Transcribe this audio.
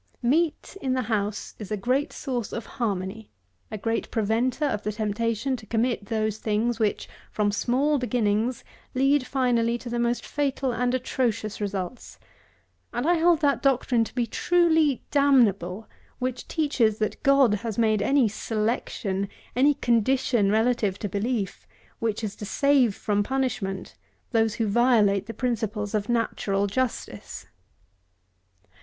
Meat in the house is a great source of harmony, a great preventer of the temptation to commit those things, which, from small beginnings, lead, finally, to the most fatal and atrocious results; and I hold that doctrine to be truly damnable, which teaches that God has made any selection, any condition relative to belief, which is to save from punishment those who violate the principles of natural justice.